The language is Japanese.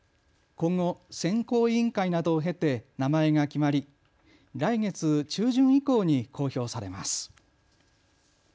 今後、選考委員会などを経て名前が決まり来月中旬以降に公表されます。